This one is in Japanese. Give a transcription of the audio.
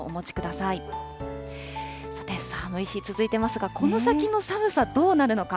さて、寒い日、続いてますが、この先の寒さどうなるのか。